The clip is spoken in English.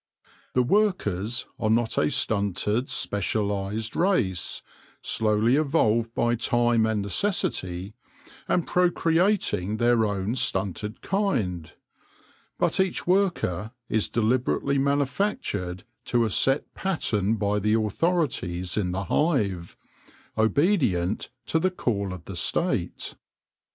The workers are not a stunted, specialised race, slowly evolved by time and necessity, and procreating their own stunted kind ; but each worker is deliberately manu factured to a set pattern by the authorities in the hive, obedient to the call of the State.